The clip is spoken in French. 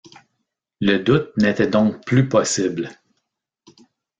Le doute n'était donc plus possible